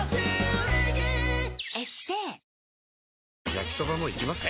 焼きソバもいきます？